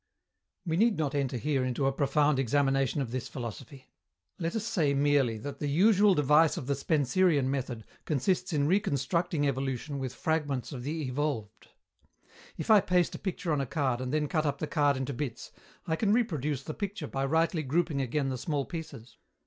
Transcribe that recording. We need not enter here into a profound examination of this philosophy. Let us say merely that the usual device of the Spencerian method consists in reconstructing evolution with fragments of the evolved. If I paste a picture on a card and then cut up the card into bits, I can reproduce the picture by rightly grouping again the small pieces.